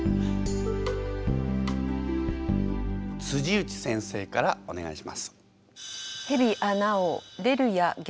内先生からお願いします。